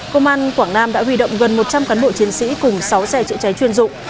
công an quảng nam đã huy động gần một trăm linh cán bộ chiến sĩ cùng sáu xe chữa cháy chuyên dụng